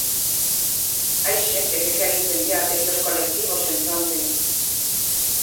Hai xente que quere incendiar e que os colectivos se enfronten.